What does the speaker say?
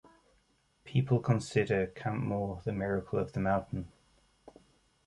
People consider Camp Moore, the "Miracle on the Mountain".